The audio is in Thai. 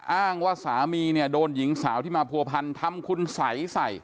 อ้างว่าสามีโดนหญิงสาวที่มาผัวพันธ์ทำคุณใส